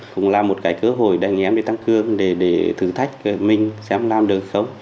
cũng là một cơ hội để anh em tăng cương để thử thách mình xem làm được không